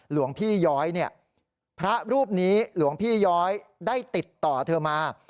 หลวงพี่ย้อยเนี่ยพระรูปนี้หลวงพี่ย้อยได้ติดต่อเธอมา